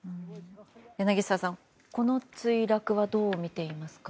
柳澤さん、この墜落はどうみていますか？